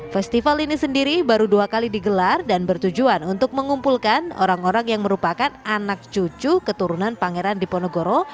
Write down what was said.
festival ini sendiri baru dua kali digelar dan bertujuan untuk mengumpulkan orang orang yang merupakan anak cucu keturunan pangeran diponegoro